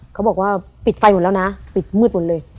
เขาบอกว่าปิดไฟหมดแล้วนะปิดมืดหมดเลย